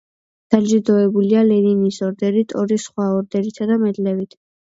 დაჯილდოებულია ლენინის ორდენით, ორი სხვა ორდენითა და მედლებით.